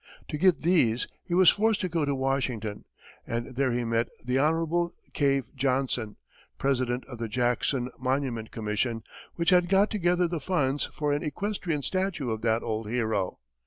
To get these, he was forced to go to Washington, and there he met the Hon. Cave Johnson, President of the Jackson Monument Commission, which had got together the funds for an equestrian statue of that old hero.